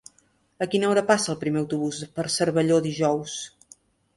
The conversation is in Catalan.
A quina hora passa el primer autobús per Cervelló dijous?